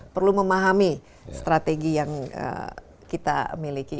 perlu memahami strategi yang kita miliki